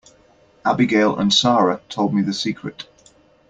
Abigail and Sara told me the secret.